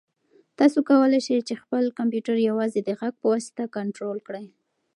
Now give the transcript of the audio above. تاسو کولای شئ چې خپل کمپیوټر یوازې د غږ په واسطه کنټرول کړئ.